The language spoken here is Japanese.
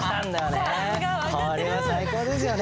これは最高ですよね。